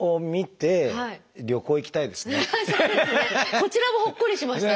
こちらもほっこりしましたね。